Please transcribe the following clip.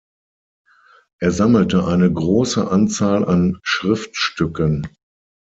Er sammelte eine große Anzahl an Schriftstücken.